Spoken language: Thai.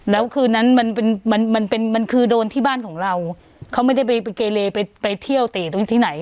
แล้วคืนนั้นมันเป็นมันมันเป็นมันคือโดนที่บ้านของเราเขาไม่ได้ไปเกเลไปเที่ยวเตะตรงนี้ที่ไหน